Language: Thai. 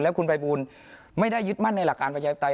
คุณภัยบูลไม่ได้ยึดมั่นในหลักการประชาธิปไตย